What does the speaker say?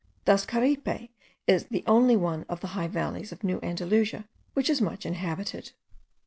Thus Caripe is the only one of the high valleys of New Andalusia which is much inhabited.